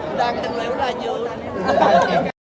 โปรดติดตามตอนต่อไป